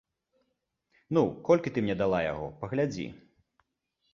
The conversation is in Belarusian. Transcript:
Ну, колькі ты мне дала яго, паглядзі.